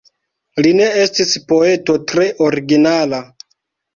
Li ne estis poeto tre originala.